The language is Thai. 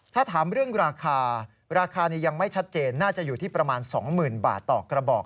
ถ้าถามเรื่องราคาราคานี้ยังไม่ชัดเจนน่าจะอยู่ที่ประมาณ๒๐๐๐บาทต่อกระบอก